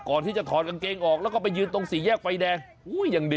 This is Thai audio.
ก่อนที่จะถอดกางเกงออกแล้วก็ไปยืนตรงสี่แยกไฟแดง